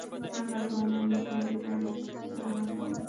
هغه ځوانان مطالعې ته وهڅول.